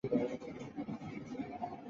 而液压泵由发动机或者电动马达驱动。